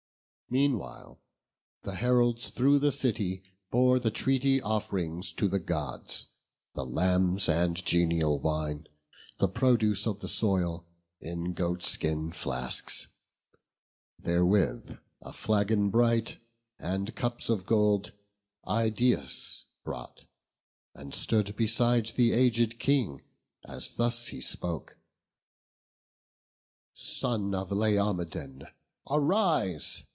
Meanwhile the heralds through the city bore The treaty off'rings to the Gods; the lambs, And genial wine, the produce of the soil, In goat skin flasks: therewith a flagon bright, And cups of gold, Idaeus brought, and stood Beside the aged King, as thus he spoke: "Son of Laomedon, arise!